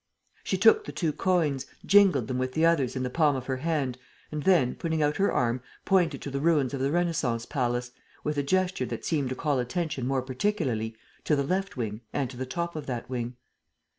She took the two coins, jingled them with the others in the palm of her hand and then, putting out her arm, pointed to the ruins of the Renascence palace, with a gesture that seemed to call attention more particularly to the left wing and to the top of that wing.